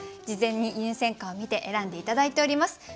事前に入選歌を見て選んで頂いております。